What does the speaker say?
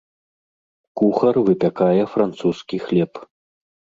Кухар выпякае французскі хлеб.